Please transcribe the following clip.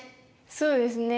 そうですね。